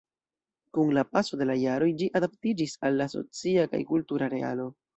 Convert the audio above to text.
Kun la paso de la jaroj ĝi adaptiĝis al la socia kaj kultura realo.